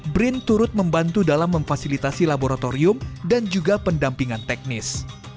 brin turut membantu dalam memfasilitasi laboratorium dan juga pendampingan teknis